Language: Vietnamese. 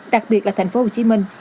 đặc biệt là thành phố hồ chí minh